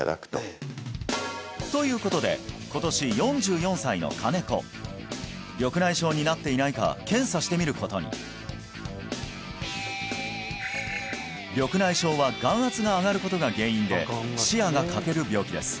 へえなのでということで今年４４歳の金子緑内障になっていないか検査してみることに緑内障は眼圧が上がることが原因で視野が欠ける病気です